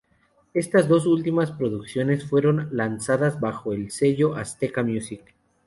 Estas dos últimas producciones fueron lanzadas bajo el sello de Azteca Music.